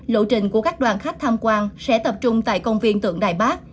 lộ trình của các đoàn khách tham quan sẽ tập trung tại công viên tượng đài bắc